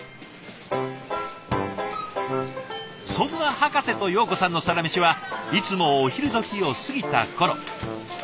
そんなハカセとヨーコさんのサラメシはいつもお昼どきを過ぎた頃。